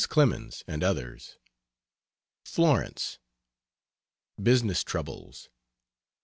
CLEMENS, AND OTHERS. FLORENCE. BUSINESS TROUBLES.